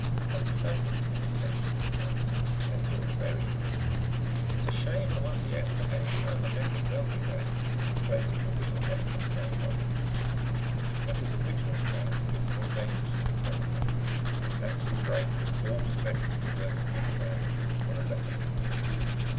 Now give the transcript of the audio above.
"A perfect imitation," Drake said. "And you're very pretty. It's a shame I won't be able to hang you around the neck of Belgezad in place of the real Necklace of Algol." But his original plan had been more dangerous than the present one, and Anson Drake was always ready to desert a good plan for a better one.